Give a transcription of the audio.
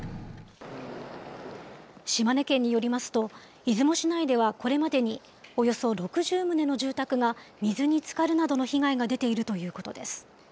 島根県によりますと、出雲市内ではこれまでに、およそ６０棟の住宅が水につかるなどの被害が出ているということです。